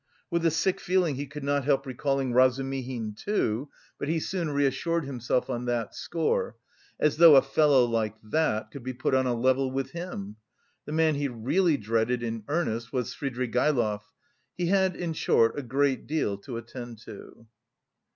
With a sick feeling he could not help recalling Razumihin too, but, he soon reassured himself on that score; as though a fellow like that could be put on a level with him! The man he really dreaded in earnest was Svidrigaïlov.... He had, in short, a great deal to attend to....